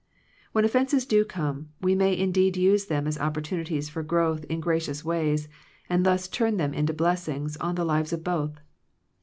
When offences do come, we may in deed use them as opportunities for growth in gracious ways, and thus turn them into blessings on the lives of both.